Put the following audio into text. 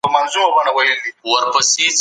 که زکات کم وي نو نورې مالیې هم لګول کېدای سي.